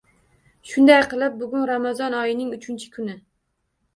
Shunday qilib bugun ramazon oyining uchinchi kuni